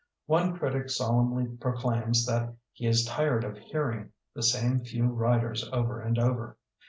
One critic solemnly proclaims that he is tired of hearing the same few writers over and over.